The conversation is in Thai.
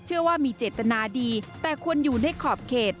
เชื่อว่ามีเจตนาดีแต่ควรอยู่ในขอบเขต